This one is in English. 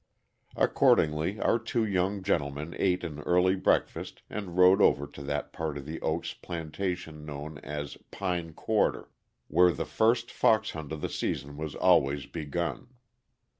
Accordingly our two young gentlemen ate an early breakfast and rode over to that part of The Oaks plantation known as "Pine quarter," where the first fox hunt of the season was always begun.